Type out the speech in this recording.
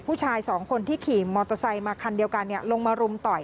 ผู้ชายสองคนที่ขี่มอเตอร์ไซค์มาคันเดียวกันลงมารุมต่อย